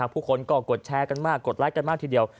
ผู้คนก็กดแชร์กันมากกดไลค์กันมากทีเดียว